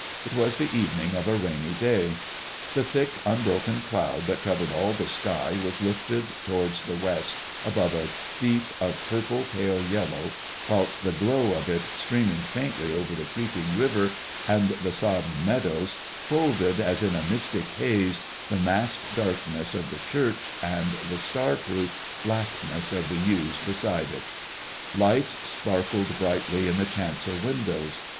It was the evening of a rainy day. The thick unbroken cloud that covered all the sky was lifted towards the west above a deep of pure pale yellow, whilst the glow of it streaming faintly < 58 IfADKMOISXLUi UUL over the creeping river, and the sodden meadows folded as in a mystic haze, the massed darkness of the church and the ''star proof" blackness of the yews be side it. Lights sparkled brightly in the chancel windows.